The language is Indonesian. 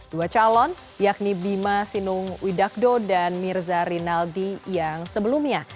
dua calon yakni bima sinung widakdo dan mirza rinaldi yang sebelumnya